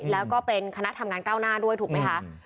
แล้วก็เป็นคณะทำงานก้าวหน้าด้วยถูกไหมคะ